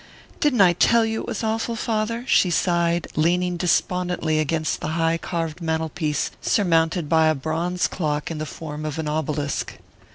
"Didn't I tell you it was awful, father?" she sighed, leaning despondently against the high carved mantelpiece surmounted by a bronze clock in the form of an obelisk.